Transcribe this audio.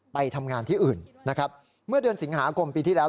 ไปทำงานที่อื่นนะครับเมื่อเดือนสิงหาคมปีที่แล้ว